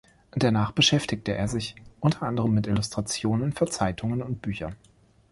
Danach beschäftigte er sich unter anderem mit Illustrationen für Zeitungen und Bücher.